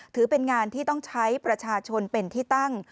ถือเป็นงานที่ต้องใช้ประชาชนเป็นที่ตั้ง